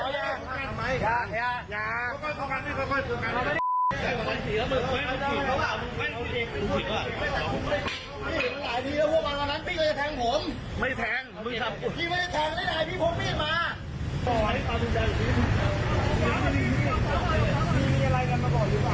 อย่าอย่าอย่า